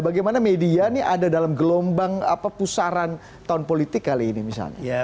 bagaimana media ini ada dalam gelombang pusaran tahun politik kali ini misalnya